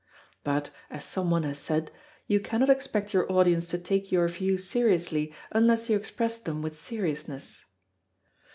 But, as some one has said, you cannot expect your audience to take your views seriously unless you express them with seriousness.